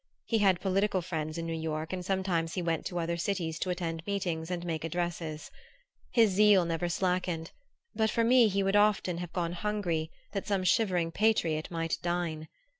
He had political friends in New York, and sometimes he went to other cities to attend meetings and make addresses. His zeal never slackened; and but for me he would often have gone hungry that some shivering patriot might dine.